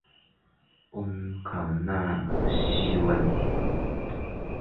恩卡纳西翁。